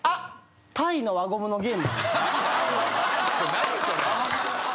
何それ？